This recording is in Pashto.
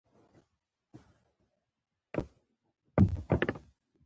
کولمبیایان دې سیمې ته ګرم وطن وایي.